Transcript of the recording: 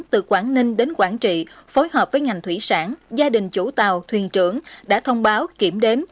từ quảng ninh đến quảng trị phối hợp với ngành thủy sản gia đình chủ tàu thuyền trưởng đã thông báo kiểm đếm